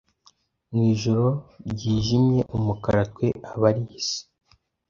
Mwijoro ryijimyeumukara twe abari isi